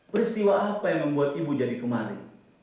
peristiwa apa yang membuat ibu jadi kemari